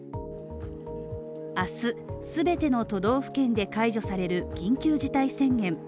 明日、全ての都道府県で解除される緊急事態宣言。